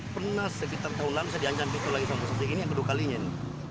pernah sekitar tahun lalu saya diancam pistol lagi sama bang hasan